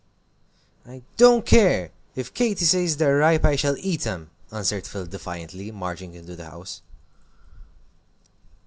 "I don't care, if Katy says they're ripe I shall eat 'em," answered Phil, defiantly, marching into the house.